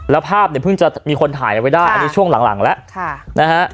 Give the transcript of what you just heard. แล้วภาพเนี่ยเพิ่งจะมีคนถ่ายเอาไว้ได้อันนี้ช่วงหลังแล้วนะฮะ